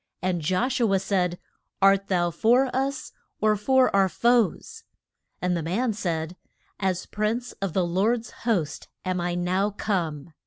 And Josh u a said, Art thou for us or for our foes? And the man said, As prince of the Lord's host am I now come.